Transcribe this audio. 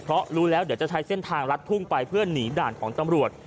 เพราะรู้แล้วเดี๋ยวจะใช้เส้นทางลัดทุ่งไปเพื่อหนีด่านของตำรวจ